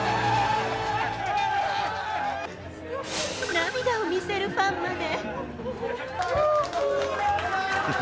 涙を見せるファンまで。